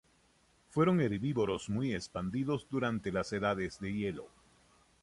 Fueron herbívoros muy expandidos durante las edades de hielo.